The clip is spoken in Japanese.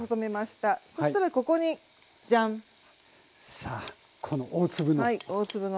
さあこの大粒の。